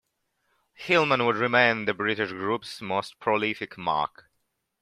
Hillman would remain the British group's most prolific marque.